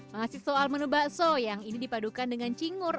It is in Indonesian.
masih soal menu bakso yang ini dipadukan dengan cingur